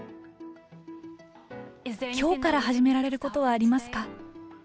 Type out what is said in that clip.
きょうから始められることはありますか。